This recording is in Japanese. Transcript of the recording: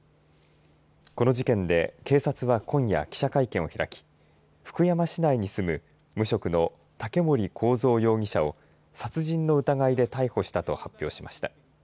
この事件で警察は今夜、記者会見を開き福山市内に住む無職の竹森幸三容疑者を殺人の疑いで逮捕したと発表しました。